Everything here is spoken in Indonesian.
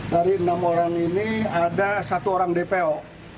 dari enam orang ini ada satu orang dpo